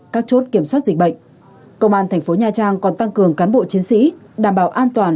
các chốt kiểm soát dịch bệnh công an thành phố nha trang còn tăng cường cán bộ chiến sĩ đảm bảo an toàn